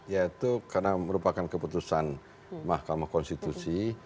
ya itu karena merupakan keputusan mahkamah konstitusi